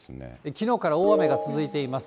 きのうから大雨が続いています。